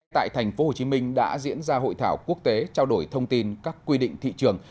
tại tp hcm đã diễn ra hội thảo quốc tế trao đổi thông tin các quy định thị trường